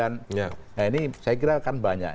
nah ini saya kira kan banyak